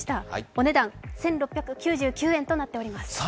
お値段１６９９円となっております。